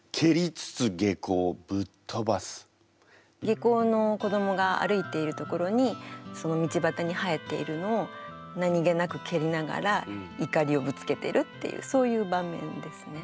下校の子どもが歩いているところにその道ばたに生えているのを何気なく蹴りながら怒りをぶつけてるっていうそういう場面ですね。